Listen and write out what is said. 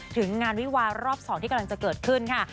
ถึงงานวิวารอบ๒ที่กำลังจะเกิดขึ้นค่ะ